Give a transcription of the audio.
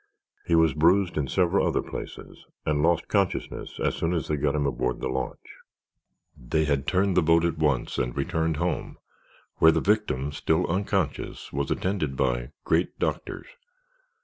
He was bruised in several other places and lost consciousness as soon as they got him aboard the launch. They had turned the boat at once and returned home, where the victim, still unconscious, was attended by "great doctors."